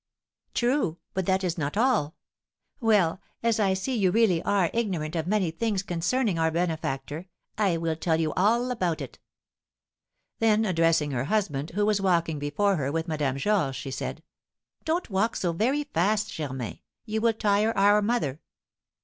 "True, but that is not all. Well, as I see you really are ignorant of many things concerning our benefactor, I will tell you all about it." Then addressing her husband, who was walking before her with Madame Georges, she said, "Don't walk so very fast, Germain, you will tire our mother!"